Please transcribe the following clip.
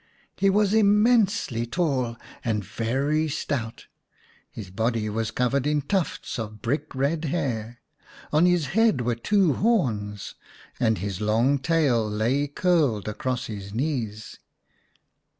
He was immensely tall and very stout, his body was covered with tufts of brick red hair, on his head were two horns, and his long tail lay curled across his knees.